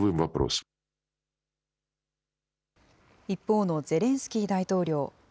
一方のゼレンスキー大統領。